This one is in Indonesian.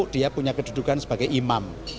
dia punya kedudukan sebagai imam